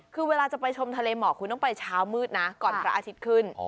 คือเวลาจะไปชมทะเลหมอกคุณต้องไปเช้ามืดนะก่อนพระอาทิตย์ขึ้น